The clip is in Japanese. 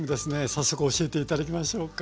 早速教えて頂きましょうか。